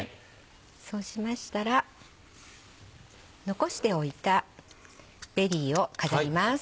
そうしましたら残しておいたベリーを飾ります。